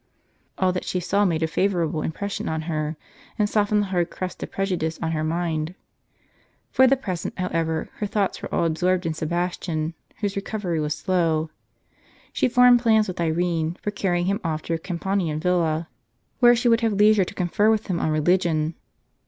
All that she saw made a favorable impression on her, and softened the hard crust of prejudice on her mind. For the present, however, her thoughts were all absorbed in Sebastian, whose recovery was slow. She formed plans with Irene for carrying him off to her Campanian villa, where she would have leisure to con fer with him on religion.